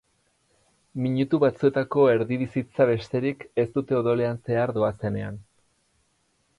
Minutu batzuetako erdibizitza besterik ez dute odolean zehar doazenean.